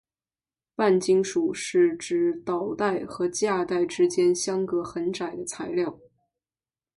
半金属是指导带和价带之间相隔很窄的材料。